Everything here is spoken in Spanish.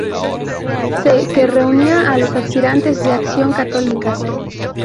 C." que reunía a los aspirantes de Acción Católica.